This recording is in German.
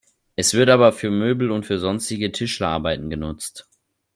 Es wird aber für Möbel und für sonstige Tischlerarbeiten genutzt.